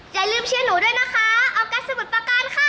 อย่าลืมเชียวหนูด้วยนะคะออกัสอุปกรณ์ค่ะ